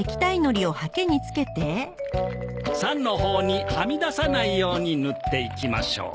桟のほうにはみ出さないように塗っていきましょう。